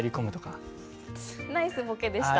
ナイスボケでした。